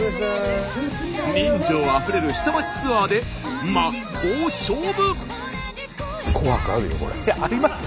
人情あふれる下町ツアーで真っ向勝負。あります？